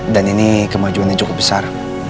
dan ini kemajuannya cukup besar